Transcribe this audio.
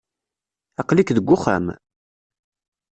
Aql-ik deg wexxam?